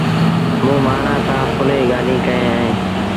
موٚنٚ مآڻهآنٚ سآݩٚ کُلي ڳآليٚنٚ ڪئيݩ اهينٚ